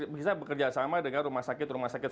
bisa bekerja sama dengan rumah sakit rumah sakit